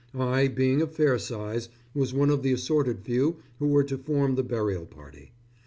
I, being of fair size, was one of the assorted few who were to form the burial party.